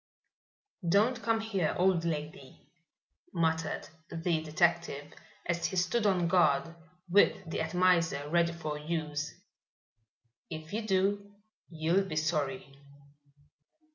"Don't come here, old lady," muttered the detective, as he stood on guard, with the atomizer ready for use. "If you do you'll be sorry."